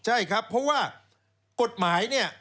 ใช่ครับเพราะว่ากฎหมาย